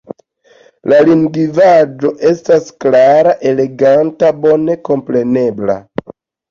La lingvaĵo estas klara, eleganta, bone komprenebla.